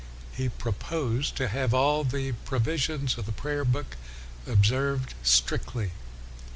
He proposed to have all the provisions of the prayer book observed strictly.